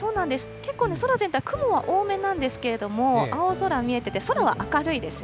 結構ね、空全体は雲は多めなんですけど、青空見えてて、空は明るいですよ。